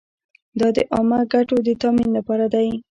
دا د عامه ګټو د تامین لپاره دی.